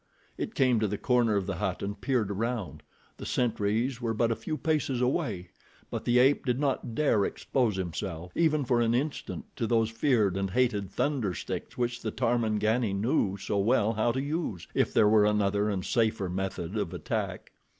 It came to the corner of the hut and peered around. The sentries were but a few paces away; but the ape did not dare expose himself, even for an instant, to those feared and hated thunder sticks which the Tarmangani knew so well how to use, if there were another and safer method of attack.